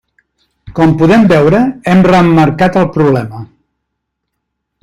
Com podem veure, hem reemmarcat el problema.